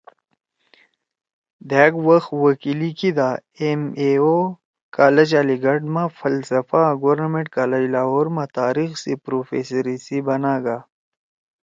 دھأک وخ وکیلی کیِدا ایم اے او (M.A.O) کالج علی گڑھ ما فلسفہ آں گورنمنٹ کالج لاہور ما تاریخ سی پروفیسری سی بناگا